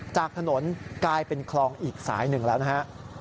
จากถนนกลายเป็นคลองอีกสายหนึ่งแล้วนะฮะ